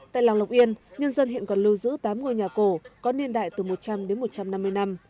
tại làng lộc yên nhân dân hiện còn lưu giữ tám ngôi nhà cổ có niên đại từ một trăm linh đến một trăm năm mươi năm